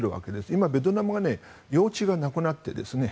今、ベトナムは用地がなくなっていて。